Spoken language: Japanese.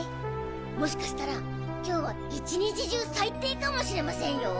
もしかしたら今日は一日中最低かもしれませんよ。